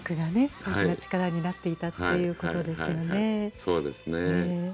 そうですね。